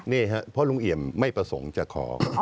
เพราะลุงเอี่ยมไม่ประสงค์จะขอ